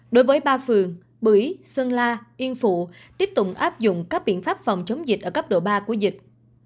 đối với ba phường bưởi sơn la yên phụ tiếp tục áp dụng các biện pháp phòng chống dịch ở cấp độ ba của dịch